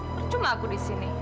bercuma aku disini